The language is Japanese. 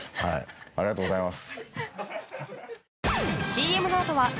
ありがとうございます。